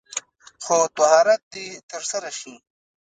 خو طهارت دې تر سره شي.